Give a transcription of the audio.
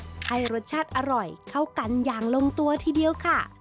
ให้รสชาติอร่อยเข้ากันอย่างลงตัวทีเดียวค่ะ